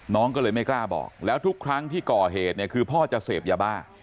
น้องก็เลยไม่กล้าบอกแล้วทุกครั้งที่ก่อเหตุเนี่ยคือพ่อจะเสพยาบ้า